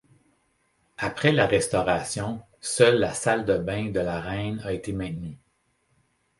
Après la restauration, seule la salle de bain de la Reine a été maintenue.